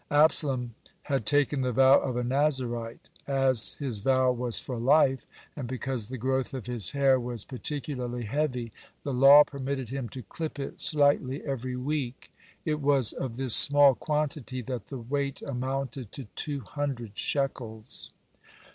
Absalom had taken the vow of a Nazarite. As his vow was for life, and because the growth of his hair was particularly heavy, the law permitted him to clip it slightly every week. (98) It was of this small quantity that the weight amounted to two hundred shekels.